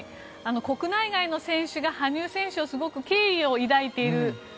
国内外の選手が羽生選手をすごく敬意を抱いている。